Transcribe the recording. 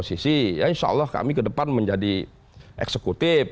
insya allah kami ke depan menjadi eksekutif